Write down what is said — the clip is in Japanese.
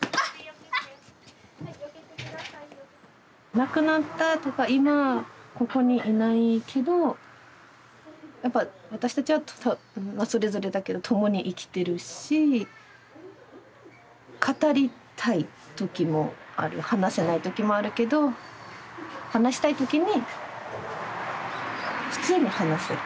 亡くなったとか今ここにいないけどやっぱ私たちはそれぞれだけど共に生きてるし語りたい時もある話せない時もあるけど話したい時に普通に話す。